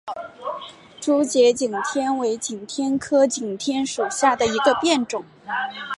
珠节景天为景天科景天属下的一个变种。